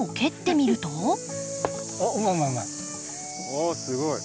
おすごい。